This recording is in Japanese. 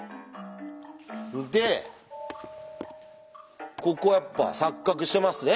でここやっぱ錯角してますね？